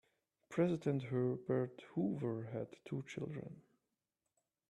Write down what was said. President Herbert Hoover had two children.